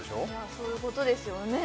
そういうことですよね